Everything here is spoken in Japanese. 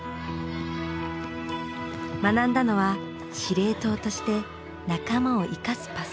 学んだのは司令塔として仲間を生かすパス。